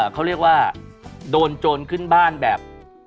เขาเรียกว่าโดนโจรขึ้นบ้านแบบ